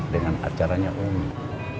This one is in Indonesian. dengan acaranya umum